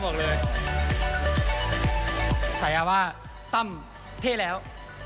โอ้โฮแกไม่รู้ซะแล้ว